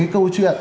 cái câu chuyện